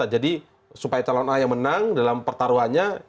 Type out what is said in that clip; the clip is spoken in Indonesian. jadi supaya calon a yang menang dalam pertaruhannya